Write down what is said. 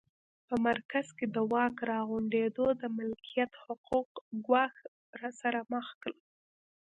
په مرکز کې د واک راغونډېدو د ملکیت حقوق ګواښ سره مخ کړل